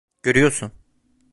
Görüyorsun…